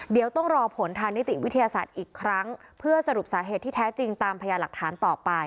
เดี๋ยวต้องรอผลทางนิติวิทยาศาสตร์อีกครั้งเพื่อสรุปสาเหตุที่แท้จริงตามพยาหลักฐานต่อไป